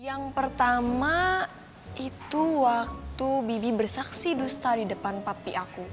yang pertama itu waktu bibi bersaksi dusta di depan papi aku